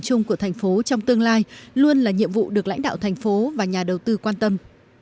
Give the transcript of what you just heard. chung của tp trong tương lai luôn là nhiệm vụ được lãnh đạo tp và nhà đầu tư quan tâm